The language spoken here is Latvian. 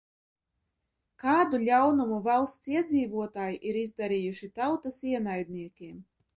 "Kādu ļaunumu valsts iedzīvotāji ir izdarījuši "tautas ienaidniekiem"?"